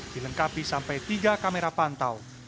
dilengkapi sampai tiga kamera pantau